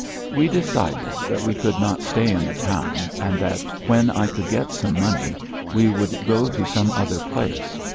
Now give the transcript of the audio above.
We decided that we could not stay in the town, and that when I could get some money, we would go to some other place.